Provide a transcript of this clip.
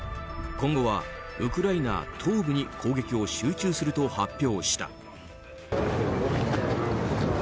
今後はウクライナ東部に攻撃を集中すると発表した。